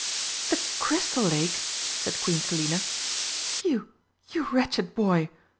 "The Crystal Lake!" cried Queen Selina. "You you wretched boy!